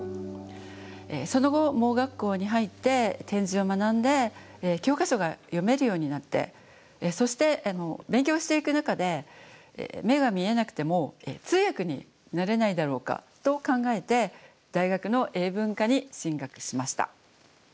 その後盲学校に入って点字を学んで教科書が読めるようになってそして勉強していく中で目が見えなくても通訳になれないだろうかと考えて大学の英文科に進学しました。